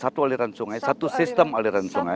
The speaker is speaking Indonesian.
satu aliran sungai satu sistem aliran sungai